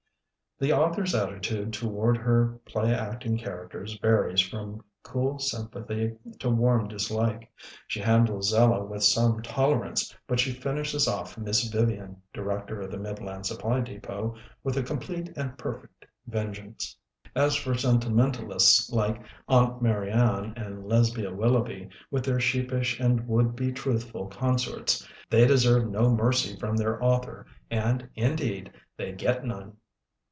The author's attitude toward her play acting characters varies from cool sympathy to warm dis like. She handles Zella with some tolerance but she finishes off Miss Vivian, Director of the Mid land Supply Depot, with a complete and perfect vengeance. As for sentimentalists like Aunt Marianne and Lesbia Willoughby, with their sheep ish and would be truthful consorts, they deserve no mercy from their author and, indeed, they get none.